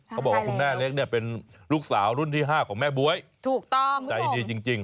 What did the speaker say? เขาบอกว่าคุณแม่เล็กนะเป็นลูกสาวรุ่นที่๕ของแม่บ๊วยใจดีจริงถูกตอบ